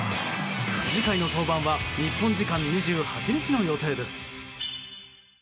次回の登板は日本時間２８日の予定です。